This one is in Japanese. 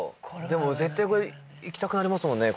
でも絶対これ行きたくなりますもんね